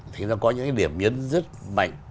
thì nó có những cái điểm nhấn rất mạnh